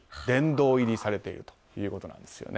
殿堂入りされているということです。